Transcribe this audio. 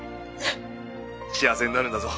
幸せになるんだぞ。